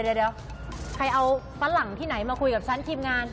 เดี๋ยวใครเอาฝรั่งที่ไหนมาคุยกับฉันทีมงาน